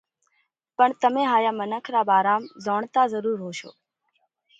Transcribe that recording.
پڻ تمي ھايا منک را ڀارام زوڻتا ضرور ھوشو،